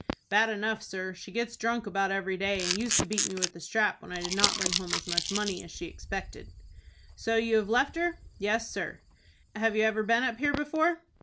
"Bad enough, sir. She gets drunk about every day and used to beat me with a strap when I did not bring home as much money as she expected." "So you have left her?" "Yes, sir." "Have you ever been up here before?"